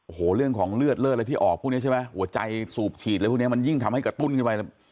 โอ้โหเรื่องของเลือดเลิศอะไรที่ออกพวกนี้ใช่ไหมหัวใจสูบฉีดอะไรพวกนี้มันยิ่งทำให้กระตุ้นขึ้นไป